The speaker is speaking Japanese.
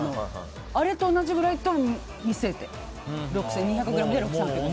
あれと同じくらいと見せて６８００円。